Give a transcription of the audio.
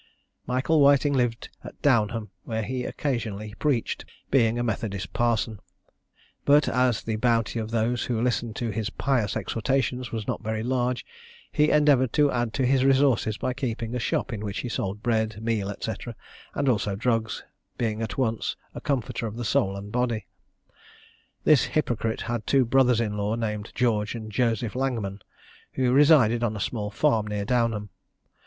Michael Whiting lived at Downham, where he occasionally preached, being a Methodist parson; but as the bounty of those who listened to his pious exhortations was not very large, he endeavoured to add to his resources by keeping a shop in which he sold bread, meal, &c. and also drugs, being at once a comforter of the soul and body. This hypocrite had two brothers in law, named George and Joseph Langman, who resided on a small farm near Downham.